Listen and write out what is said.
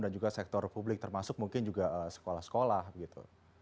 dan juga sektor publik termasuk mungkin juga sekolah sekolah begitu